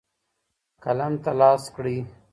قلم ته لاس کړئ.